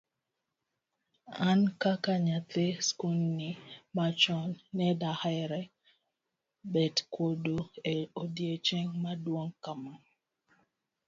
an kaka nyadhi skundni machon ne daher bet kodu e odiochieng' maduong' kama